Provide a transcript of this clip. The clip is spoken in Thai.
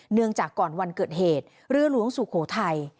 เนื่องจากก่อนวันเกิดเหตุเรือหลวงสุโขทัย